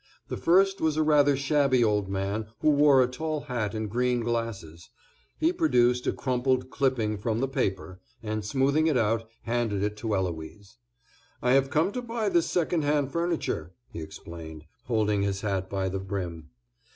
The first was a rather shabby old man who wore a tall hat and green glasses. He produced a crumpled clipping from the paper, and, smoothing it out, handed it to Eloise. "I have come to buy this second hand furniture," he explained, holding his hat by the brim.